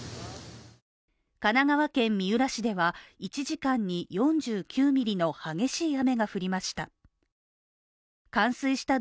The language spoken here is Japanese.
神奈川県三浦市では、１時間に４９ミリの激しい雨が降りました。